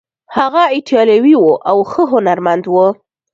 هغه ایټالوی و او ښه هنرمند و.